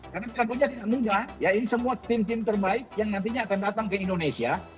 karena pelakunya tidak mudah ya ini semua tim tim terbaik yang nantinya akan datang ke indonesia